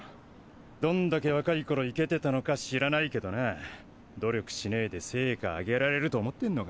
どんだけわかいころイケてたのかしらないけどなどりょくしねえでせいかあげられるとおもってんのか。